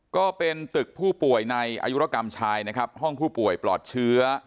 ก็เป็นตึกผู้ป่วยในอายุรกรรมชายนะครับห้องผู้ป่วยปลอดเชื้อ